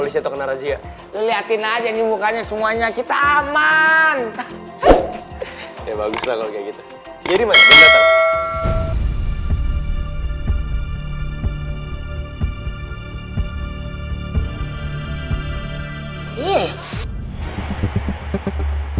kita aman ya bagus kalau kayak gitu jadi masih